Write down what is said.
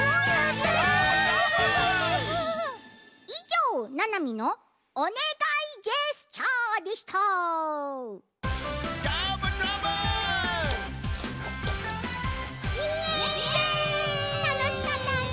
たのしかったね。